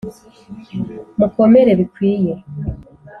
Mukomere bikwiye